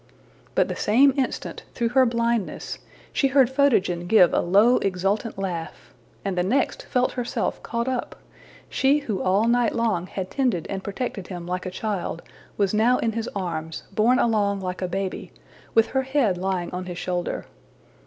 '' But the same instant, through her blindness, she heard Photogen give a low exultant laugh, and the next felt herself caught up; she who all night long had tended and protected him like a child was now in his arms, borne along like a baby, with her head lying on his shoulder.